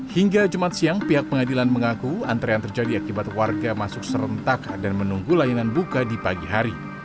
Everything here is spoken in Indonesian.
hingga jumat siang pihak pengadilan mengaku antrean terjadi akibat warga masuk serentak dan menunggu layanan buka di pagi hari